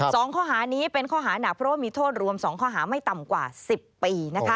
สองข้อหานี้เป็นข้อหานักเพราะว่ามีโทษรวมสองข้อหาไม่ต่ำกว่าสิบปีนะคะ